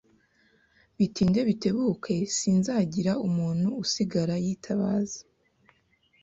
Bitinde bitebuke, sinzagira umuntu usigara yitabaza.